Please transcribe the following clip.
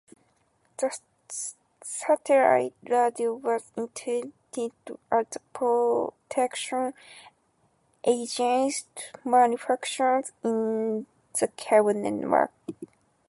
The satellite radio was intended as protection against malfunctions in the cable network.